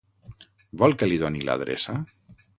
Vol que li doni l'adreça?